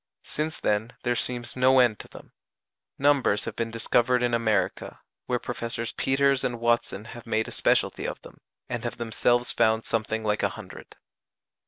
Since then there seems no end to them; numbers have been discovered in America, where Professors Peters and Watson have made a specialty of them, and have themselves found something like a hundred.